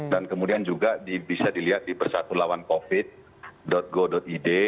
dan kemudian juga bisa dilihat di bersatu lawan covid go id